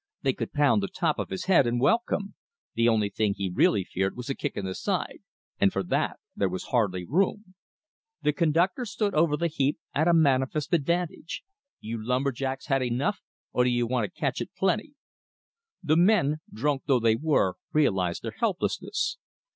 They could pound the top of his head and welcome. The only thing he really feared was a kick in the side, and for that there was hardly room. The conductor stood over the heap, at a manifest advantage. "You lumber jacks had enough, or do you want to catch it plenty?" The men, drunk though they were, realized their helplessness.